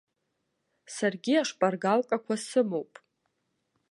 Саргьы ашпаргалкақәа сымоуп.